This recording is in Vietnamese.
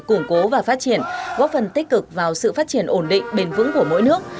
củng cố và phát triển góp phần tích cực vào sự phát triển ổn định bền vững của mỗi nước